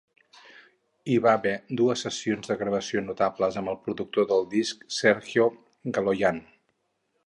Hi va haver dues sessions de gravació notables amb el productor del disc, Sergio Galoyan.